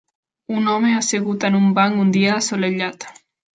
Un home assegut en un banc un dia assolellat.